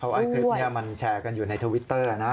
ไอ้คลิปนี้มันแชร์กันอยู่ในทวิตเตอร์นะ